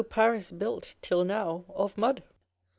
Paris built (till now) of mud